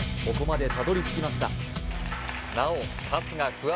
ここまでたどりつきました